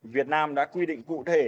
việt nam đã quy định cụ thể